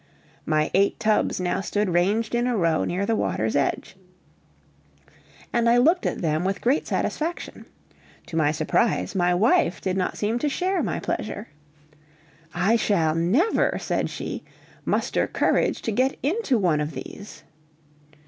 My eight tubs now stood ranged in a row near the water's edge, and I looked at them with great satisfaction; to my surprise, my wife did not seem to share my pleasure! "I shall never," said she, "muster courage to get into one of these!"